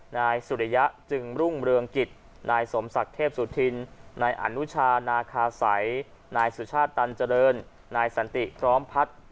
นายสุริยะจึงรุ่งเรืองกิจนายสมศักดิ์เทพสุธินนายอนุชานาคาสัยนายสุชาติตันเจริญนายสันติพร้อมพัฒน์